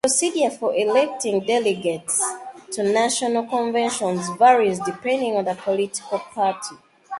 The procedure for electing delegates to national conventions varies depending on the political party.